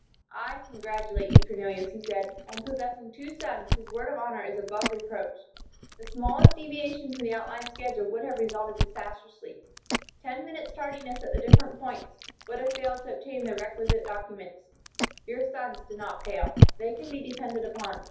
"I congratulate you, Cornelius," he said, "on possessing two sons whose word of honor is above reproach. The smallest deviation from the outlined schedule would have resulted disastrously. Ten minutes' tardiness at the different points would have failed to obtain the requisite documents. Your sons did not fail. They can be depended upon.